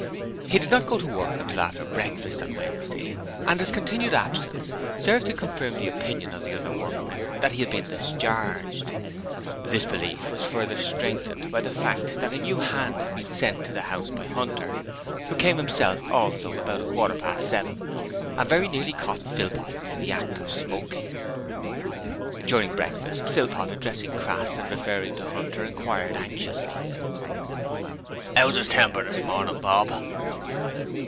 He did not go to work until after breakfast on Wednesday and his continued absence served to confirm the opinion of the other workmen that he had been discharged. This belief was further strengthened by the fact that a new hand had been sent to the house by Hunter, who came himself also at about a quarter past seven and very nearly caught Philpot in the act of smoking. During breakfast, Philpot, addressing Crass and referring to Hunter, inquired anxiously: ''Ow's 'is temper this mornin', Bob?'